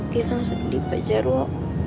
gilang sedih pak jarwo